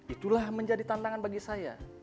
itulah menjadi tantangan bagi saya